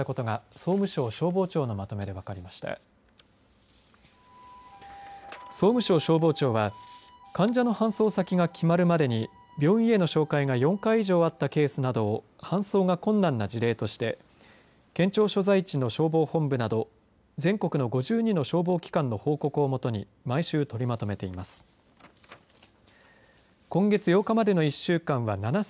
総務省消防庁は患者の搬送先が決まるまでに病院への照会が４回以上あったケースなどを搬送が困難な事例として県庁所在地の消防本部など全国の５２の消防機関の報告を基に毎週、取りまとめています。